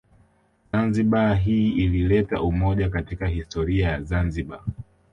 Zanzibar hii ilileta umoja katika historia ya zanzibar